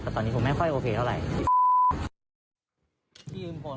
แต่ตอนนี้ผมไม่ค่อยโอเคเท่าไหร่